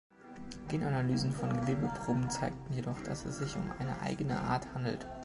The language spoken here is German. Genanalysen von Gewebeproben zeigten jedoch, dass es sich um eine eigene Art handelt.